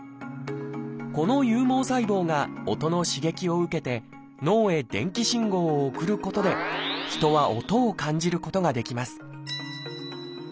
この有毛細胞が音の刺激を受けて脳へ電気信号を送ることで人は音を感じることができます